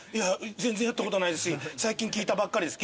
全然やったことないですし最近聞いたばっかりです。